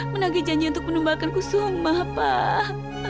menanggi janji untuk menumbalkanku semua pak